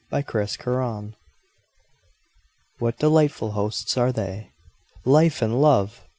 A PARTING GUEST WHAT delightful hosts are they Life and Love!